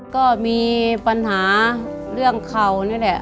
ก็มีปัญหาเรื่องเข่านี่แหละ